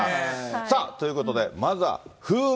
さあ、ということで、まずは風雲！